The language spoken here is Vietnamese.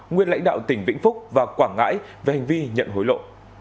nguyên lãnh đạo tỉnh vĩnh phúc và quảng ngãi về hành vi nhận hối lộ